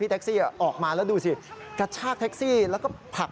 รถแท็กซี่กำลังขับมารถดำกัน